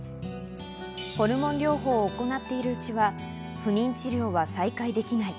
ホルモン療法を行っているうちは、不妊治療は再開できない。